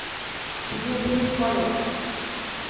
ধীরে ধীরেই কর।